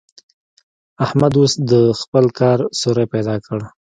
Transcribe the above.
احمد اوس د خپل کار سوری پيدا کړ.